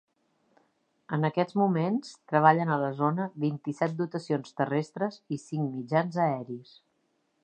En aquests moments treballen a la zona vint-i-set dotacions terrestres i cinc mitjans aeris.